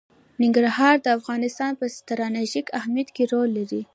ننګرهار د افغانستان په ستراتیژیک اهمیت کې رول لري.